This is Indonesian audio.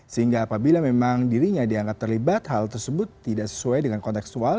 sehingga apabila memang dirinya dianggap terlibat hal tersebut tidak sesuai dengan konteksual